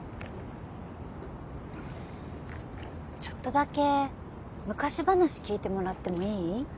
ちょっとだけ昔話聞いてもらってもいい？